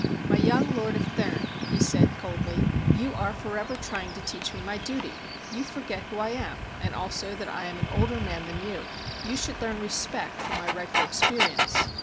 "My young Lord of Thurn," he said coldly, "you are forever trying to teach me my duty. You forget who I am, and also that I am an older man than you; you should learn respect for my riper experi ence!"